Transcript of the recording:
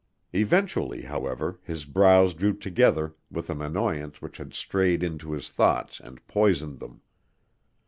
Eventually, however, his brows drew together with an annoyance which had strayed into his thoughts and poisoned them.